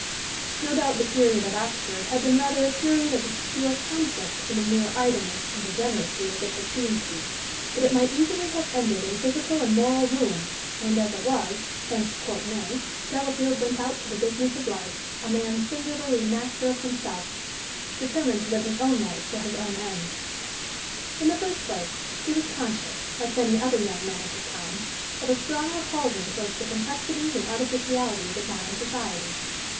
No doubt the period at Oxford had been rather a period of obscure conflict than of mere idleness and degeneracy, as it had seemed to be. But it might easily have ended in physical and moral ruin, and, as it was thanks to Courtenay Delafield went out to the business of life, a man singularly master of himself, determined to live his own life for his own ends. In the first place, he was conscious, like many other young men of his time, of a strong repulsion towards the complexities and artificialities of modern society.